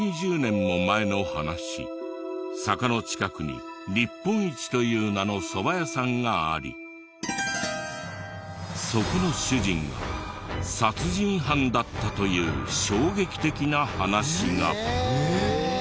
坂の近くに日本一という名のそば屋さんがありそこの主人が殺人犯だったという衝撃的な話が。